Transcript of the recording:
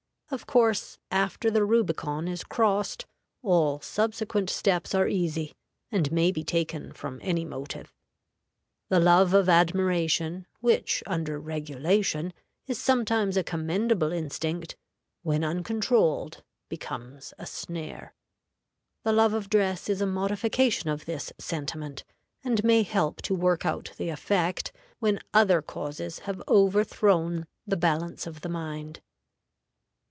Of course, after the Rubicon is crossed, all subsequent steps are easy, and may be taken from any motive. The love of admiration, which, under regulation, is sometimes a commendable instinct, when uncontrolled, becomes a snare. The love of dress is a modification of this sentiment, and may help to work out the effect when other causes have overthrown the balance of the mind.